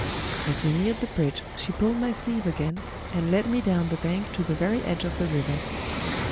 As we neared the bridge, she pulled my sleeve again, and led me down the bank to the very edge of the river.